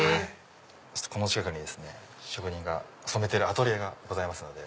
この近くに職人が染めてるアトリエがございますので。